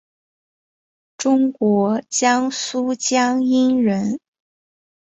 中国江苏江阴人。